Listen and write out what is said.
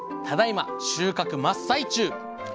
ただいま収穫真っ最中。